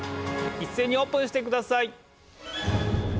いっせいにオープンしてください！